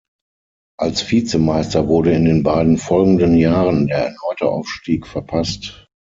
Als Vizemeister wurde in den beiden folgenden Jahren der erneute Aufstieg verpasst.